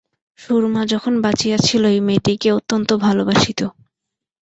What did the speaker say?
সুরমা যখন বাঁচিয়া ছিল, এই মেয়েটিকে অত্যন্ত ভালোবাসিত।